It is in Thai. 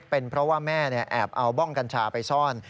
เป็นเพราะว่าแม่แอบเอาบ้องกัญชาไปซ่อน